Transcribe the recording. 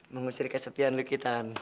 mengusir kesepian lucky tan